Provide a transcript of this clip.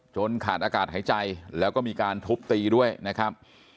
ขาดอากาศหายใจแล้วก็มีการทุบตีด้วยนะครับ